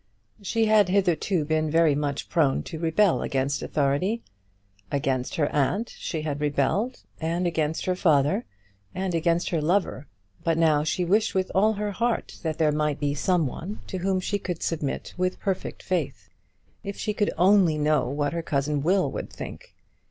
She had hitherto been very much prone to rebel against authority. Against her aunt she had rebelled, and against her father, and against her lover. But now she wished with all her heart that there might be some one to whom she could submit with perfect faith. If she could only know what her cousin Will would think.